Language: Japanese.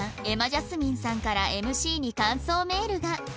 瑛茉ジャスミンさんから ＭＣ に感想メールが